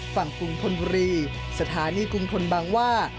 ฝั่งกรุงพลบุรีสถานีกรุงพลบังว่า